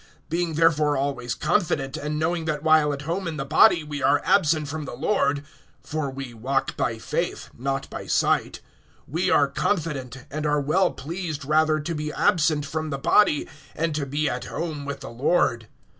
(6)Being therefore always confident, and knowing that while at home in the body we are absent from the Lord, (7)(for we walk by faith, not by sight), (8)we are confident, and are well pleased rather to be absent from the body, and to be at home with the Lord.